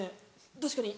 確かに。